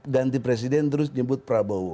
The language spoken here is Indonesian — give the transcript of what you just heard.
ganti presiden terus nyebut prabowo